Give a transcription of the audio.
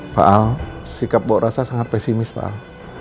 pak al sikap bu rosa sangat pesimis pak al